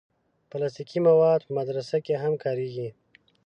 پلاستيکي مواد په مدرسه کې هم کارېږي.